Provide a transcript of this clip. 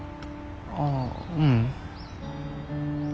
ああううん。